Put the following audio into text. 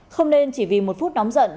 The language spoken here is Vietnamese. không nên chỉ vì một phút nóng giận